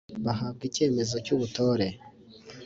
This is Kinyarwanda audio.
bahabwa icyemezo cy'ubutore